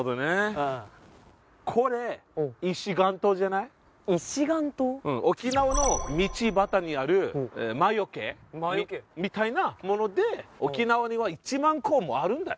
うん沖縄の道端にある魔除けみたいなもので沖縄には１万個もあるんだよ